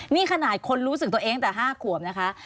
นี่ขนาดคนรู้สึกตัวเองตั้งแต่๕ขวบนะคะ